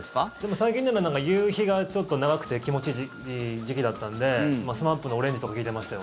最近夕日がちょっと長くて気持ちいい時期だったのでＳＭＡＰの「オレンジ」とか聴いてましたよ。